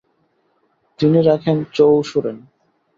তিনি রাখেন চৌ শুরেন।